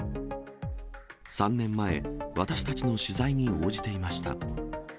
３年前、私たちの取材に応じていました。